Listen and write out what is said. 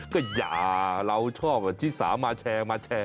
ก็อย่าเราชอบชิสามาแชร์มาแชร์